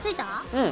うん！